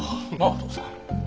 お父さん。